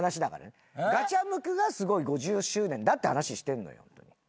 ガチャムクが５０周年だって話してんのよ。